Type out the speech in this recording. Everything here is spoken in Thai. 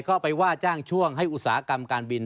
ว่าไปว่าจ้างช่วงให้อุตสาหกรรมการบิน